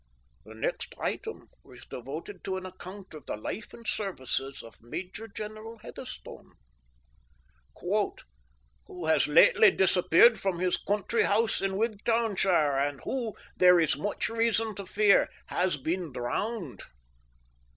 The very next item was devoted to an account of the life and services of Major General Heatherstone, "who has lately disappeared from his country house in Wigtownshire, and who, there is too much reason to fear, has been drowned."